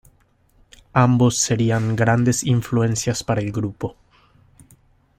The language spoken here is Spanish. Ambos serían grandes influencias para el grupo.